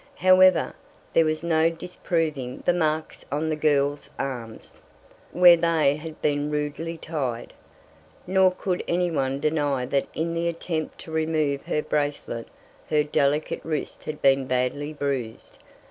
However, there was no disproving the marks on the girl's arms, where they had been rudely tied, nor could any one deny that in the attempt to remove her bracelet her delicate wrist had been badly bruised.